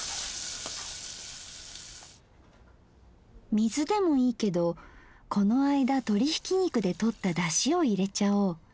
水でもいいけどこの間鶏ひき肉でとっただしを入れちゃおう。